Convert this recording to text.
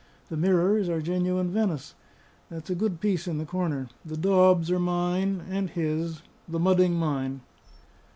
The mirrors are genuine Venice; that's a good piece in the corner. The daubs are mine and his; the mudding mine."